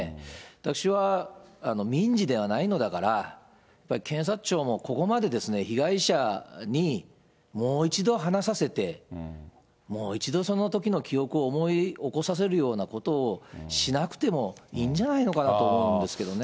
私は民事ではないのだから、検察庁も、ここまで被害者にもう一度話させて、もう一度そのときの記憶を思い起こさせるようなことをしなくてもいいんじゃないのかなと思うんですけどね。